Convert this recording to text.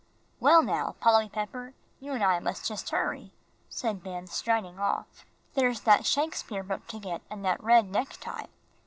"Well now, Polly Pepper, you and I must just hurry," said Ben, striding off. "There's that Shakespeare book to get, and that red necktie."